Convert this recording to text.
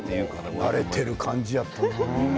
慣れている感じやった。